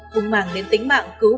cùng màng đến tính mạng cứu